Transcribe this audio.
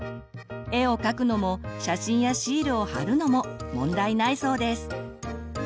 絵をかくのも写真やシールを貼るのも問題ないそうです。